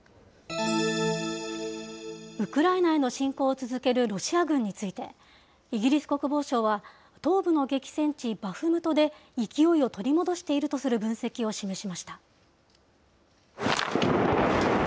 ウクライナへの侵攻を続けるロシア軍について、イギリス国防省は東部の激戦地バフムトで、勢いを取り戻しているとする分析を示しました。